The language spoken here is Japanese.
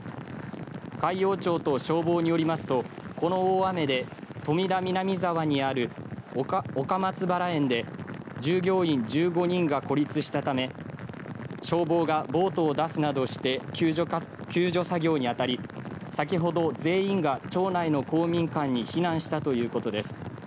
海陽町と消防によりますとこの大雨で富田南澤にある岡松バラ園で従業員１５人が孤立したため消防がボートを出すなどして救助作業にあたり先ほど、全員が町内の公民館に避難したということです。